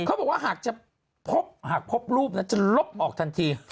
เขาบอกว่าหากจะพบรูปจะลบออกทันที